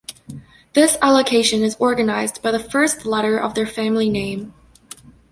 This allocation is organised by the first letter of their family name.